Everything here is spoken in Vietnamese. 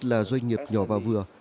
là doanh nghiệp nhỏ và vừa